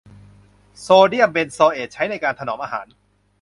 โซเดียมเบนโซเอทใช้ในการถนอมอาหาร